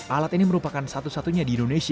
alat ini merupakan satu satunya di indonesia